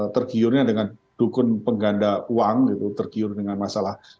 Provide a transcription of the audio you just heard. tergiurnya dengan dukun pengganda uang gitu tergiur dengan masalah